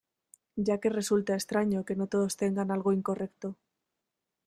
Ya que resulta extraño que no todos tengan algo incorrecto